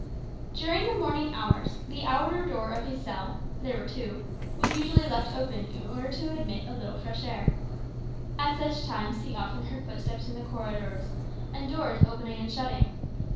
During the morning hours the outer door of his cell (there were two) was usually left open, in order to admit a little fresh air. At such times he often heard footsteps in the corridors, and doors opening and shutting.